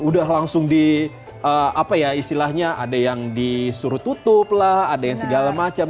udah langsung di apa ya istilahnya ada yang disuruh tutup lah ada yang segala macam